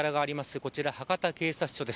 こちら、博多警察署です。